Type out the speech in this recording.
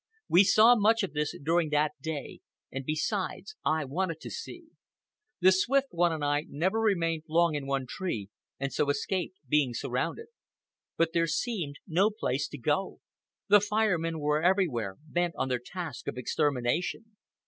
We saw much of this during that day, and besides, I wanted to see. The Swift One and I never remained long in one tree, and so escaped being surrounded. But there seemed no place to go. The Fire Men were everywhere, bent on their task of extermination.